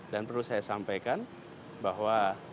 dan perlu saya sampaikan bahwa